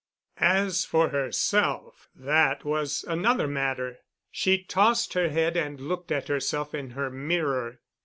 As for herself—that was another matter. She tossed her head and looked at herself in her mirror.